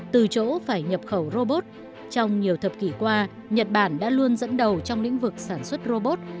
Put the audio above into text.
từ chỗ phải nhập khẩu robot trong nhiều thập kỷ qua nhật bản đã luôn dẫn đầu trong lĩnh vực sản xuất robot